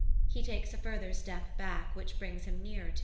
He takes a further step back which brings him nearer to her.